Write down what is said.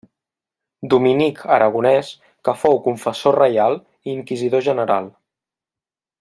Dominic aragonès que fou confessor reial i inquisidor general.